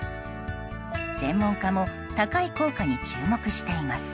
専門家も高い効果に注目しています。